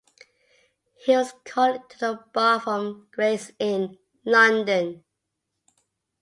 He was called to the Bar from Gray's Inn, London.